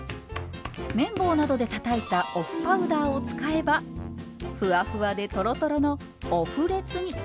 麺棒などでたたいたお麩パウダーを使えばふわふわでとろとろのオ麩レツに。